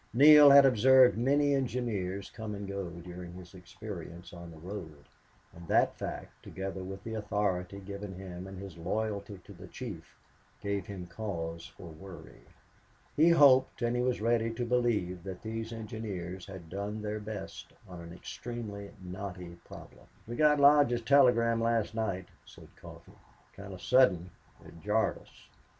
Neale had observed many engineers come and go during his experience on the road; and that fact, together with the authority given him and his loyalty to, the chief, gave him cause for worry. He hoped, and he was ready to believe, that these engineers had done their best on an extremely knotty problem. "We got Lodge's telegram last night," said Coffee. "Kinda sudden. It jarred us."